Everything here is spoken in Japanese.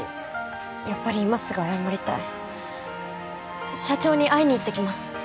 やっぱり今すぐ謝りたい社長に会いに行ってきます